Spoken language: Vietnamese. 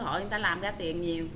người ta làm ra tiền nhiều